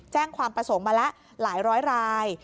แจ้งความประสงค์มาแล้วหลายร้อยราย